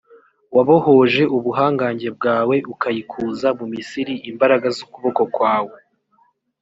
wabohoje ubuhangange bwawe, ukayikuza mu misiri imbaraga z’ukuboko kwawe.